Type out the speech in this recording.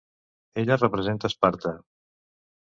Ella representa Esparta.